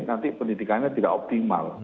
nanti pendidikannya tidak optimal